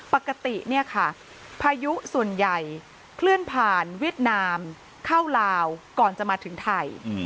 ปกติเนี่ยค่ะพายุส่วนใหญ่เคลื่อนผ่านเวียดนามเข้าลาวก่อนจะมาถึงไทย